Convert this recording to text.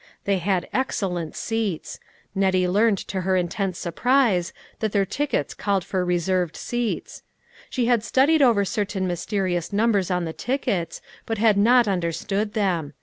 They had excellent seats ! Nettie learned to her intense surprise that their tickets called for reserved seats. She had studied over certain mysterious numbers on the tickets, but had not understood them.